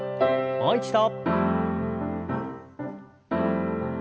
もう一度。